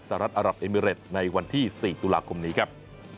รัฐอารับเอมิเรตในวันที่๔ตุลาคมนี้ครับ